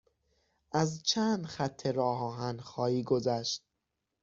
از چند خط راه آهن خواهی گذشت.